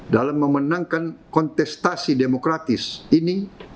dalam memenangkan kontestasi demokratis ini